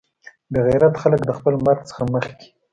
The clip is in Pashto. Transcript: بې غیرته خلک د خپل مرګ څخه مخکې.